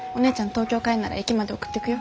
東京帰んなら駅まで送ってくよ？